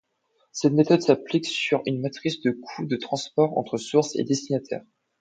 Cette méthode s'applique sur une matrice de coûts de transports entre sources et destinataires.